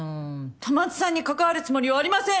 戸松さんに関わるつもりはありません！